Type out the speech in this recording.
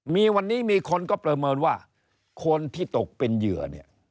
มีวันนี้มีคนก็ประเมินว่าคนที่ตกเป็นเหยื่อเนี่ย